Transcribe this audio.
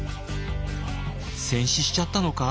戦死しちゃったのか？